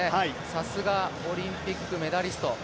さすが、オリンピックメダリスト。